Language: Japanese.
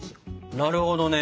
なるほどね。